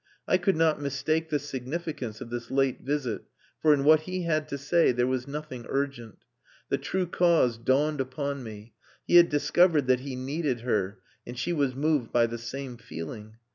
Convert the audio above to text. I could not mistake the significance of this late visit, for in what he had to say there was nothing urgent. The true cause dawned upon me: he had discovered that he needed her and she was moved by the same feeling.